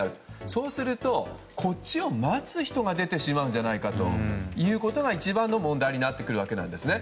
そうすると、こっちを待つ人が出てしまうんじゃないかということが一番の問題になってくるわけなんですね。